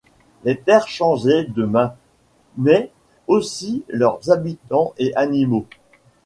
Les terres changeaient de main, mais aussi leurs habitants et animaux.